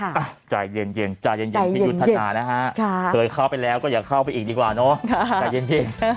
อ่ะใจเย็นใจเย็นพี่ยุทธนานะฮะเคยเข้าไปแล้วก็อย่าเข้าไปอีกดีกว่าเนาะใจเย็น